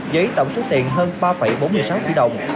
với tổng số tiền hơn ba bốn mươi sáu tỷ đồng